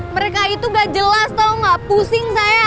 mereka itu gak jelas tau gak pusing saya